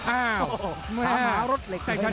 อ้าวถามหารถเหล็กเลยนะครับ